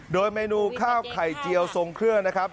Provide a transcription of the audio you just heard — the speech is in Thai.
โดยเมนูข้าวไข่เจียวทรงเครื่องนะครับ